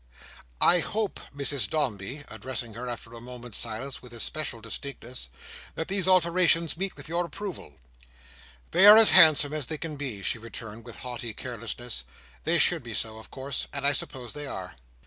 "I hope, Mrs Dombey," addressing her after a moment's silence, with especial distinctness; "that these alterations meet with your approval?" "They are as handsome as they can be," she returned, with haughty carelessness. "They should be so, of course. And I suppose they are."